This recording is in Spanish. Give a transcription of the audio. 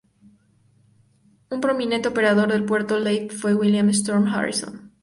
Un prominente operador de Puerto Leith fue William Storm Harrison.